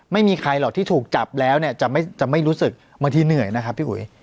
ไม่มีใครหรอกที่ถูกจับแล้วเนี่ยจะไม่รู้สึกบางทีเหนื่อยนะครับพี่อุ๋ย